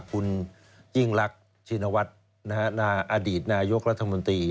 คุณยิ่งรักชินวัฒน์อดีตนายกรัฐมนตรี